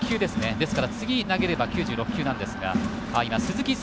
ですから、次投げれば９６球なんですが鈴木翔